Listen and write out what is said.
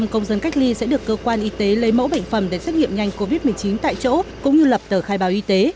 một trăm linh công dân cách ly sẽ được cơ quan y tế lấy mẫu bệnh phẩm để xét nghiệm nhanh covid một mươi chín tại chỗ cũng như lập tờ khai báo y tế